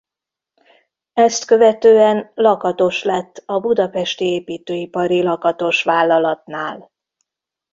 Ezt követően lakatos lett a Budapesti Építőipari Lakatos Vállalatnál.